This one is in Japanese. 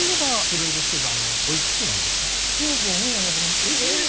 失礼ですけどあのおいくつなんですか？